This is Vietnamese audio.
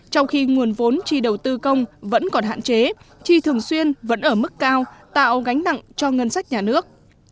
trong khi nguồn vốn chi đầu tư công vẫn còn hạn chế chi thường xuyên vẫn ở mức cao tạo gánh nặng cho ngân sách nhà nước